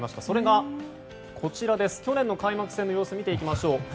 それが、こちら、去年の開幕戦の様子見ていきましょう。